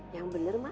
yang bener mah